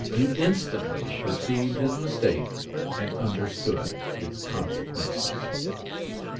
He instantly perceived his mistake and understood its consequences.